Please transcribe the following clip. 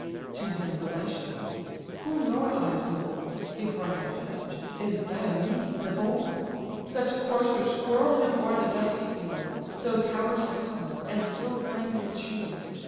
To him the Lycian: "Whom your eyes behold, If right I judge, is Diomed the bold: Such coursers whirl him o'er the dusty field, So towers his helmet, and so flames his shield.